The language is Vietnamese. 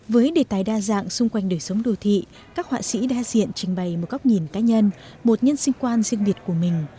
với đề tài đa dạng xung quanh đời sống đô thị các họa sĩ đa diện trình bày một góc nhìn cá nhân một nhân sinh quan riêng biệt của mình